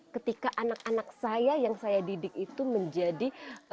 ketika anak anak saya yang saya didik itu menjadi